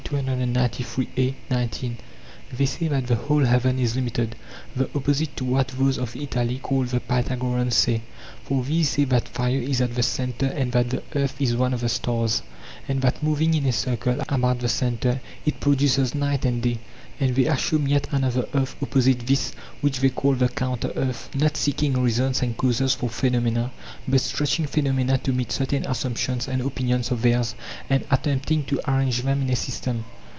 Theysay that the whole heaven is limited, the opposite to what those of Italy, called the Pythagoreans, say ; for these say that fire is at the centre and that the earth is one of the stars, and that moving in a circle about the centre it produces night and day. And they assume yet another earth opposite this which they call the counter earth [avriy@wv}, not seeking reasons and causes for phenomena, but stretching phenomena to meet certain assumptions and opinions of theirs and attempting to arrange them in a system.